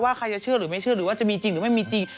ใครจะเชื่อหรือไม่เชื่อหรือว่าจะมีจริงหรือไม่มีจริง